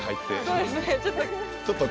そうですねちょっと。